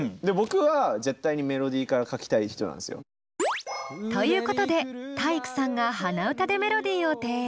で僕は絶対にメロディーから書きたい人なんですよ。ということで体育さんが鼻歌でメロディーを提案。